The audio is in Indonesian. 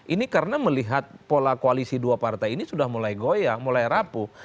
ini karena melihat pola koalisi dua partai ini sudah mulai goyang mulai rapuh